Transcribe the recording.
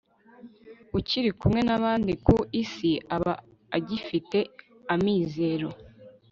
ukiri kumwe n'abandi ku isi aba agifite amizero